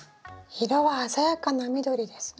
色は鮮やかな緑ですね。